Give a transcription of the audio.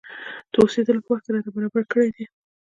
د اوسېدلو په وخت کې راته برابر کړي دي.